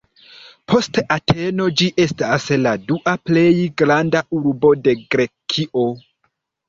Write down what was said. Post Ateno ĝi estas la dua plej granda urbo de Grekio.